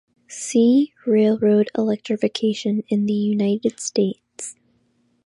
"See" Railroad electrification in the United States.